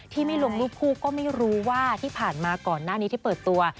ไม่ลงรูปคู่ก็ไม่รู้ว่าที่ผ่านมาก่อนหน้านี้ที่เปิดตัว